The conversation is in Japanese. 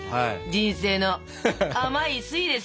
人生の甘い酸いですよ！